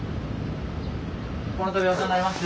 この度はお世話になります。